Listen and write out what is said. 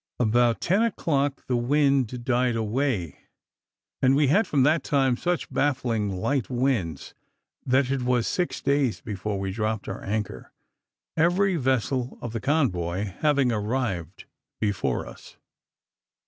About ten o'clock, the wind died away, and we had from that time such baffling light winds, that it was six days before we dropped our anchor, every vessel of the convoy having arrived before us.